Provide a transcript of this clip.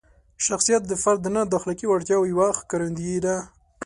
شخصیت د فرد دننه د اخلاقي وړتیاوو یوه ښکارندویي ده.